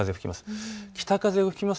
北風が吹きます。